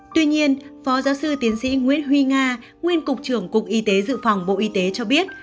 tuy nhiên phó giáo sư tiến sĩ nguyễn huy nga nguyên cục trưởng cục y tế dự phòng bộ y tế cho biết